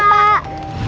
makasih ya pak